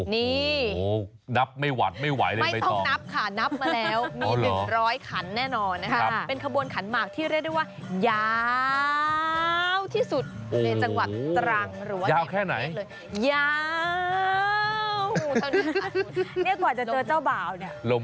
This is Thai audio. นี่โอ้โหนับไม่หวัดไม่ไหวเลยไม่ต้อง